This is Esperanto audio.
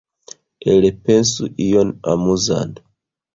Elpensu ion amuzan.